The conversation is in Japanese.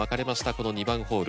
この２番ホール。